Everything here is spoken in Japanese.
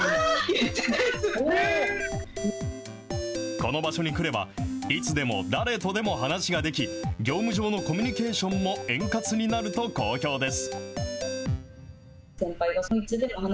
この場所に来れば、いつでも誰とでも話ができ、業務上のコミュニケーションも円滑になると好評です。